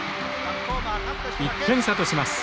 １点差とします。